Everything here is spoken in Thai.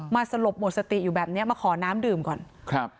สลบหมดสติอยู่แบบเนี้ยมาขอน้ำดื่มก่อนครับ